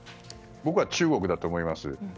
僕は中国だと思います。